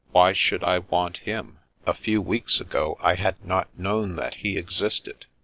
Why should I want him? A few weeks ago I had not known that he existed.